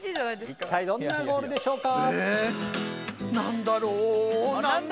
一体どんなゴールでしょうか？